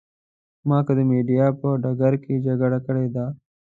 ما که د مېډیا په ډګر کې جګړه کړې ده.